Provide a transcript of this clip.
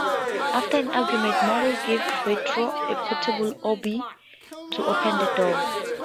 After an argument Mobley gives Beethro a portable orb to open the door.